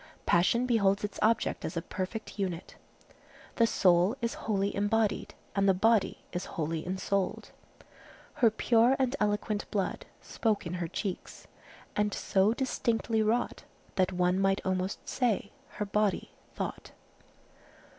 Passion beholds its object as a perfect unit. The soul is wholly embodied, and the body is wholly ensouled:— "Her pure and eloquent blood Spoke in her cheeks, and so distinctly wrought, That one might almost say her body thought."